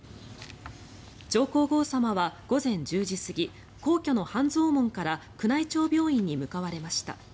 上皇后さまは午前１０時過ぎ皇居の半蔵門から宮内庁病院に向かわれました。